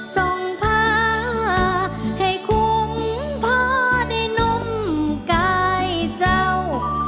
ส่งภาพให้คุ้มภาพในนมกายเจ้า